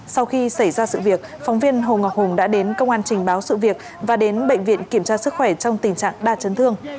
sau khi xảy ra sự việc phóng viên hồ ngọc hùng đã đến công an trình báo sự việc và đến bệnh viện kiểm tra sức khỏe trong tình trạng đa chấn thương